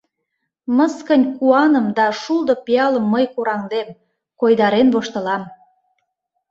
Мыскынь куаным да шулдо пиалым мый кораҥдем, койдарен воштылам.